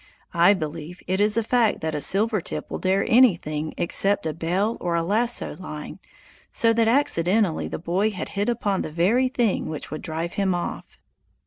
I believe it is a fact that a silver tip will dare anything except a bell or a lasso line, so that accidentally the boy had hit upon the very thing which would drive him off.